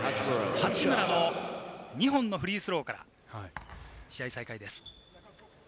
八村の２本のフリースローから試合再開です。